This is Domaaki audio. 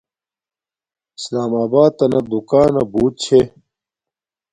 سلام آباتنا دوکانا بوت چھے